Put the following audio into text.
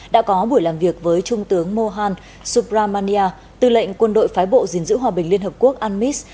đã có buổi làm việc với trung tướng mohan subramania tư lệnh quân đội phái bộ dình giữ hòa bình liên hợp quốc anmis